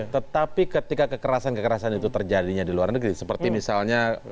tetapi ketika kekerasan kekerasan itu terjadinya di luar negeri seperti misalnya